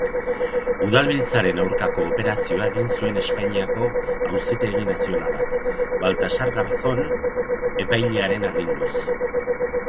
Udalbiltzaren aurkako operazioa egin zuen Espainiako Auzitegi Nazionalak, Baltasar Garzon epailearen aginduz.